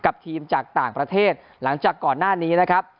กับทีมจากต่างประเทศหลังจากก่อนหน้านี้นะครับ